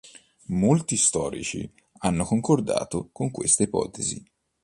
Molti storici hanno concordato con questa ipotesi.